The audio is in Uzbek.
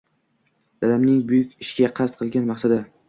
Dadamning buyuk ishga qasd qilgan maqsadi.